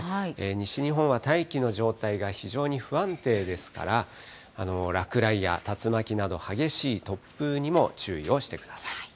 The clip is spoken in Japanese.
西日本は大気の状態が非常に不安定ですから、落雷や竜巻など激しい突風にも注意をしてください。